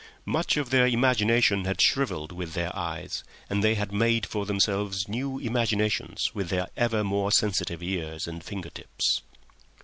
Much of their imagination had shrivelled with their eyes, and they had made for themselves new imaginations with their ever more sensitive ears and finger tips.